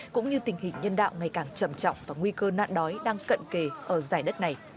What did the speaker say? cũng như tình hình nhân đạo ngày càng trầm trọng và nguy cơ nạn đói đang cận kề ở giải đất này